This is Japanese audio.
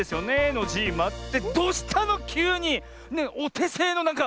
ノジーマ。ってどうしたのきゅうに⁉おてせいのなんか。